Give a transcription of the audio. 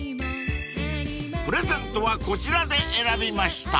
［プレゼントはこちらで選びました］